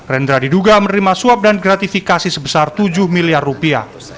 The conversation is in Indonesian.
rendra diduga menerima suap dan gratifikasi sebesar tujuh miliar rupiah